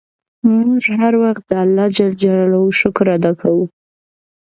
موږ هر وخت د اللهﷻ شکر ادا کوو.